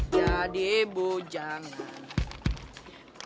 jadi bu jangan